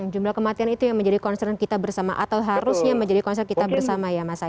jumlah kematian itu yang menjadi concern kita bersama atau harusnya menjadi concern kita bersama ya mas ai